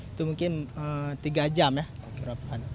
itu mungkin tiga jam ya